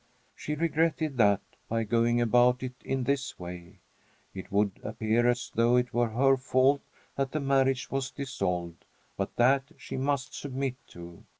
She regretted that, by going about it in this way, it would appear as though it were her fault that the marriage was dissolved; but that she must submit to.